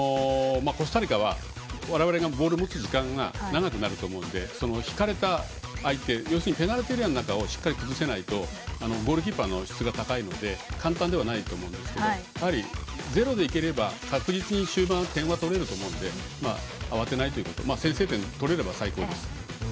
コスタリカは我々がボールを持つ時間が長くなると思うので引かれた相手要するにペナルティーエリアの中をしっかりと崩せないとゴールキーパーの質が高いので簡単ではないと思いますけどやはり、ゼロでいければ確実に終盤点は取れると思うので慌てないということ先制点を取れれば最高です。